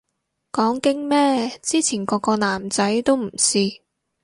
講經咩，之前個個男仔都唔試